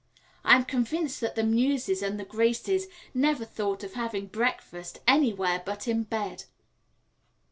I am convinced that the Muses and the Graces never thought of having breakfast anywhere but in bed.